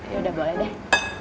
ya udah boleh deh